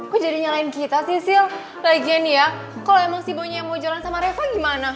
kok jadi nyalain kita sih sil lagian ya kalo emang si boynya yang mau jalan sama reva gimana